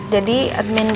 jadi admin di